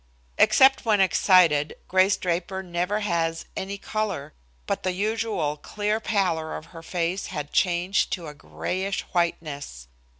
Except when excited, Grace Draper never has any color, but the usual clear pallor of her face had changed to a grayish whiteness.